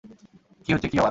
কি হচ্ছে কি আবার?